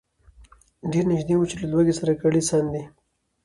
ډېر نیژدې وو چي له لوږي سر کړي ساندي